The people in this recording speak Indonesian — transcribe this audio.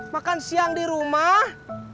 makan siang di rumah